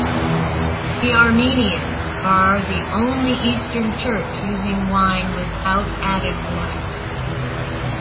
The Armenians are the only Eastern Church using wine without added water.